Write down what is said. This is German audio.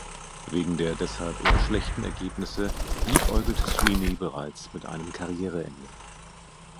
Wegen der deshalb eher schlechten Ergebnisse liebäugelte Sweeny bereits mit einem Karriereende.